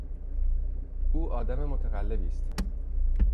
او آدم متقلبی است.